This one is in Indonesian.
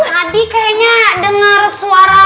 tadi kayaknya dengar suara